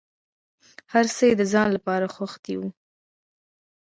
هر څه یې د ځان لپاره غوښتي دي.